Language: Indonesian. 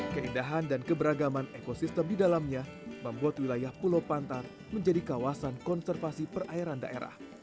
keindahan dan keberagaman ekosistem di dalamnya membuat wilayah pulau pantar menjadi kawasan konservasi perairan daerah